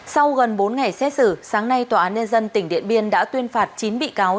sau gần bốn ngày xét xử sáng nay tòa án nhân dân tỉnh điện biên đã tuyên phạt chín bị cáo